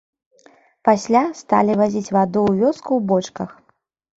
Пасля сталі вазіць ваду ў вёску ў бочках.